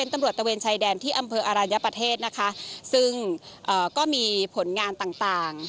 ตำรวจตะเวียนชายแดนที่อำเภออรัญญาประเทศซึ่งก็มีผลงานต่าง